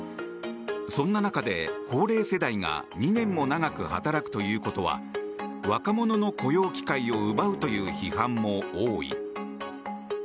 そんな中で、高齢世代が２年も長く働くということは若者の雇用機会を奪うという批判も多い。